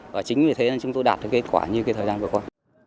và chính vì thế chúng tôi đạt được kết quả như thời gian vừa qua